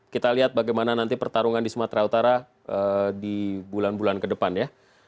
kita lihat bagaimana nanti pertarungan di sumatera utara di bulan bulan ke depan ya